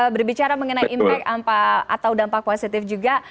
berbicara mengenai impact atau dampak positif juga